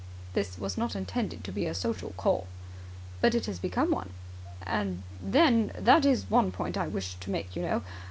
"This was not intended to be a social call." "But it has become one." "And then, that is one point I wish to make, you know.